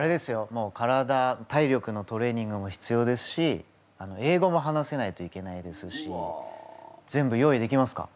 もう体体力のトレーニングも必要ですし英語も話せないといけないですし全部用意できますか？